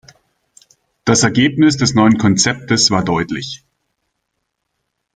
Das Ergebnis des neuen Konzeptes war deutlich.